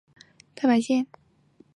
太白线